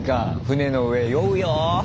船の上酔うよ。